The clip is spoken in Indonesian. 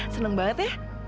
seneng banget ya